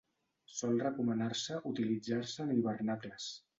Sol recomanar-se utilitzar-se en hivernacles.